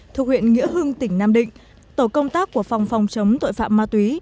thuộc huyện nghĩa hưng tỉnh nam định tổ công tác của phòng phòng chống tội phạm ma túy